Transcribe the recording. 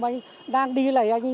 anh đang đi này